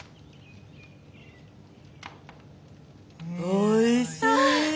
おいしい。